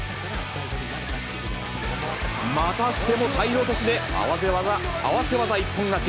またしても体落としで、合わせ技一本勝ち。